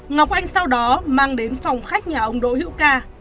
ngọc anh sau đó mang đến phòng khách nhà ông đỗ hữu ca